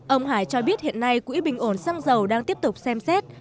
ông hải cho biết hiện nay quỹ bình ổn xăng dầu đang tiếp tục xem xét